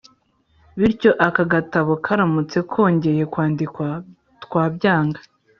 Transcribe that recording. bityo aka gatabo karamutse kongeye kwandikwa, twabyanga